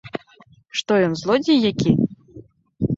Што ён, злодзей які?